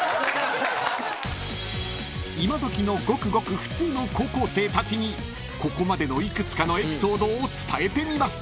［今どきのごくごく普通の高校生たちにここまでの幾つかのエピソードを伝えてみました］